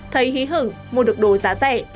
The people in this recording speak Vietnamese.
thấy hí hửng mua được đồ giá rẻ